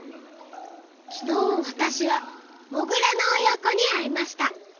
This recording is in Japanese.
きのうわたしはモグラのおやこにあいました。